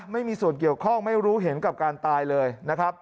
ไม่มีส่วนเกี่ยวข้องไม่รู้เห็นกับการตายเลยนะครับ